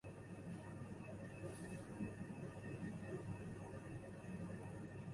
万历十四年丙戌科第三甲第一百六十四名进士。